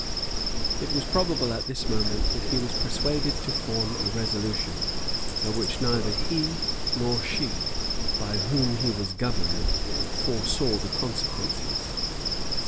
It was probable at this moment that he was persuaded to form a resolution, of which neither he nor she by whom he was governed foresaw the consequences.